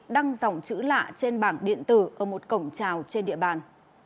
đăng dòng chữ lạ trên bảng điện tử ở một cổng trào trên địa bàn